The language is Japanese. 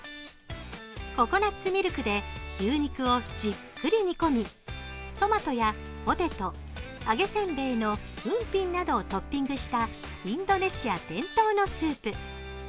ココナッツミルクで牛肉をじっくり煮込み、トマトやポテト、揚げせんべいのウンピンなどをトッピングしたインドネシア伝統のスープ。